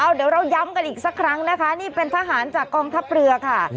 เดี๋ยวเราย้ำกันอีกสักครั้งนะคะนี่เป็นทหารจากกองทัพเรือค่ะ